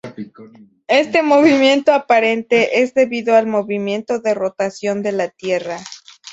Este movimiento, aparente, es debido al movimiento de rotación de la Tierra.